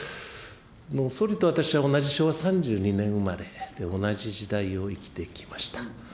総理と私は同じ昭和３２年生まれ、同じ時代を生きてきました。